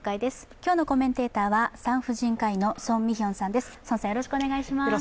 今日のコメンテーターは産婦人科医の宋美玄さんです。